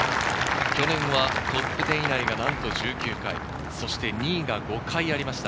去年はトップ１０以内がなんと１９回、２位が５回ありました。